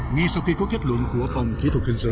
ngay sau khi có kết luận của phòng kỹ thuật hình sự